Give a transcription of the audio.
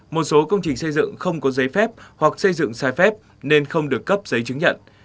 một số công trình xây dựng không có giấy phép hoặc xây dựng sai phép nên không được cấp giấy chứng nhận